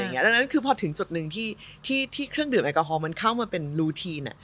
ดังนั้นคือพอถึงจุดหนึ่งที่เครื่องดื่มแอลกอฮอลมันเข้ามาเป็นรูทีน